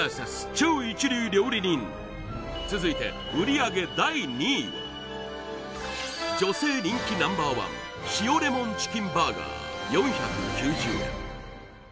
超一流料理人続いて売上第２位は女性人気Ｎｏ．１塩レモンチキンバーガー４９０円